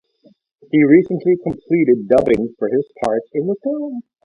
He recently completed dubbing for his part in the film.